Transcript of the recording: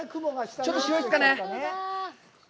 ちょっと白いですかね。